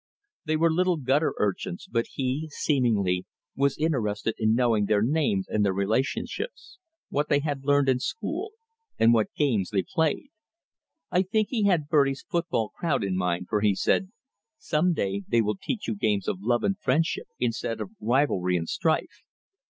They were little gutter urchins, but he, seemingly, was interested in knowing their names and their relationships, what they learned in school, and what games they played. I think he had Bertie's foot ball crowd in mind, for he said: "Some day they will teach you games of love and friendship, instead of rivalry and strife."